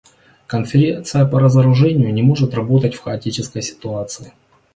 Конференция по разоружению не может работать в хаотической ситуации.